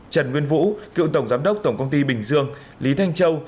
trần nguyên vũ cựu tổng giám đốc tổng công ty bình dương lý thanh châu